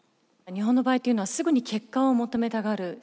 日本の場合というのはすぐに結果を求めたがる。